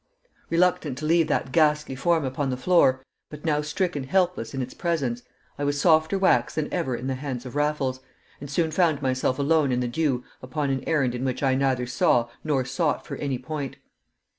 Reluctant to leave that ghastly form upon the floor, but now stricken helpless in its presence, I was softer wax than ever in the hands of Raffles, and soon found myself alone in the dew upon an errand in which I neither saw nor sought for any point.